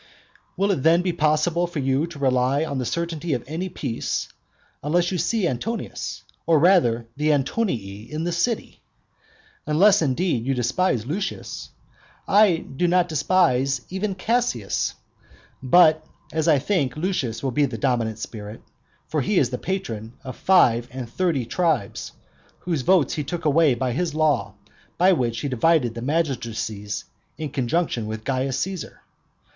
VI. Will it then be possible for you to rely on the certainty of any peace, when you see Antonius, or rather the Antonii, in the city? Unless, indeed, you despise Lucius: I do not despise even Caius. But, as I think, Lucius will be the dominant spirit, for he is the patron of the five and thirty tribes, whose votes he took away by his law, by which he divided the magistracies in conjunction with Caius Caesar.